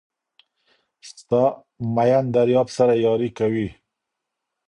ستا ميین درياب سره ياري کوي